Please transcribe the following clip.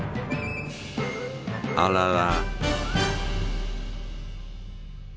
あらら。